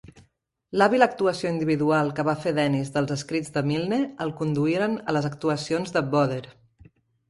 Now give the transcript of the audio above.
L'hàbil actuació individual que va fer Dennis dels escrits de Milne el conduirien a les actuacions de "Bother!".